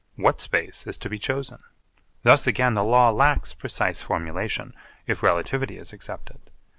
What space is to be chosen? Thus again the law lacks precise formulation, if relativity is accepted.